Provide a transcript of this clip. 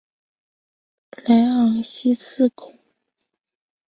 莱昂西兹孔。